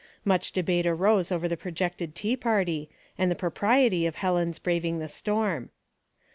Much debate arose over the projected tea par ty, and the propriety of Helen's braving the storm.